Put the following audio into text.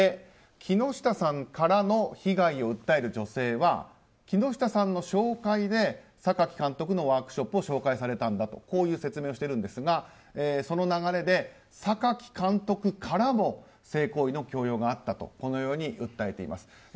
木下さんからの被害を訴える女性は、木下さんの紹介で榊監督のワークショップを紹介されたという説明をしているんですがその流れで榊監督からも性行為の強要があったと訴えています。